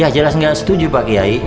ya jelas nggak setuju pak kiai